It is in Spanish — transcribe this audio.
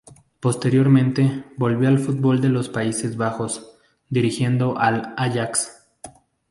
Posteriormente, volvió al fútbol de los Países Bajos, dirigiendo al Ajax.